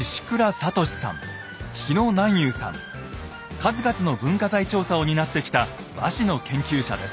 数々の文化財調査を担ってきた和紙の研究者です。